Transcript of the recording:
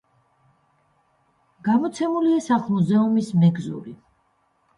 გამოცემულია სახლ-მუზეუმის მეგზური.